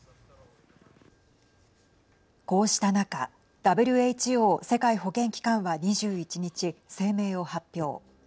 こうした中ＷＨＯ＝世界保健機関は２１日、声明を発表。